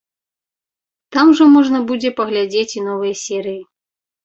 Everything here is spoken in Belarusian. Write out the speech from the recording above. Там жа можна будзе паглядзець і новыя серыі.